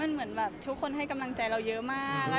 น่ะเหมือนทุกคนให้กำลังใจเยอะมาก